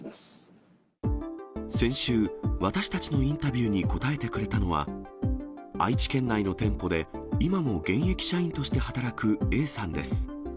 先週、私たちのインタビューに答えてくれたのは、愛知県内の店舗で今も現役社員として働くＡさんです。